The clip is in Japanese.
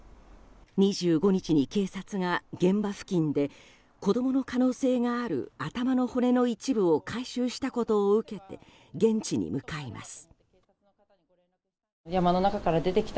２５日に警察が現場付近で子供の可能性がある頭の骨の一部を回収したことを受けて現地に向かいます。